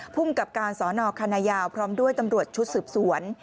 ภูมิกับการสอนอคณะยาวพร้อมด้วยตำรวจชุดสืบสวน